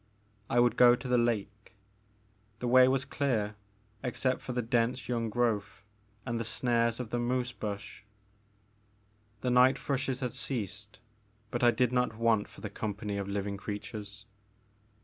I would go to the lake. The way was clear except for the dense young growth and the snares of the moose bush. The night thrushes had ceased but I did not want for the company of living creatures.